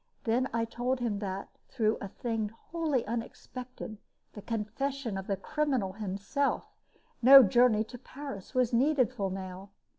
Then I told him that, through a thing wholly unexpected the confession of the criminal himself no journey to Paris was needful now.